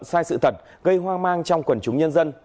sai sự thật gây hoang mang trong quần chúng nhân dân